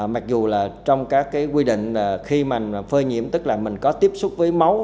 mặc dù là trong các cái quy định khi mà phơi nhiễm tức là mình có tiếp xúc với máu